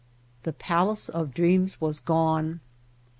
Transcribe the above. The palace of dreams was gone.